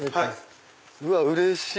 うわっうれしい！